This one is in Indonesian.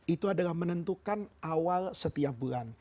itu adalah menentukan awal setiap bulan